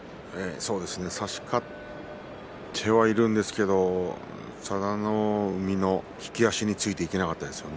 そうですね差し勝ってはいるんですけれども佐田の海の引き足についていけなかったですね